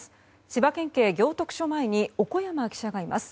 千葉県警行徳署前に小古山記者がいます。